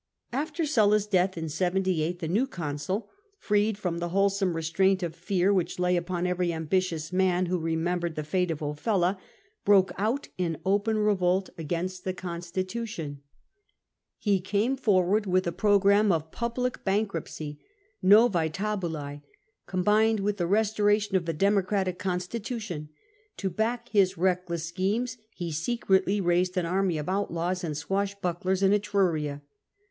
After Sulla's death in 78 the new consul — freed from the wholesome restraint of fear which lay upon every ambitious man who remembered the fate of Ofella — broke out in open revolt against the constitittion. He Q POMPEY 242 came forward with a programme of public bankruptcy {novm tabiilce) combined with the restoration of the Democratic constitution : to back his reckless schemes he secretly raised an army of outlaws and swash bucklers in Etruria.